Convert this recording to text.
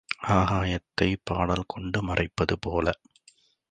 ஆகாயததைப் படல் கொண்டு மறைப்பது போல.